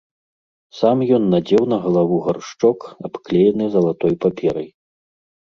Сам ён надзеў на галаву гаршчок, абклеены залатой паперай.